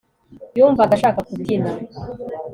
yumvaga ashaka kubyina